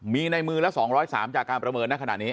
มีในมือละ๒๐๓จากการประเมินในขณะนี้